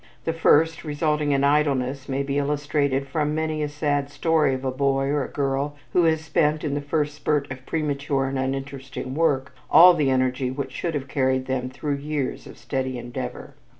The first, resulting in idleness, may be illustrated from many a sad story of a boy or a girl who has spent in the first spurt of premature and uninteresting work, all the energy which should have carried them through years of steady endeavor.